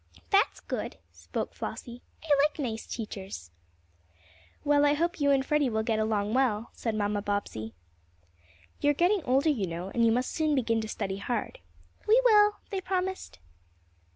"That's good," spoke Flossie. "I like nice teachers." "Well, I hope you and Freddie will get along well," said Mamma Bobbsey. "You are getting older you know, and you must soon begin to study hard." "We will," they promised.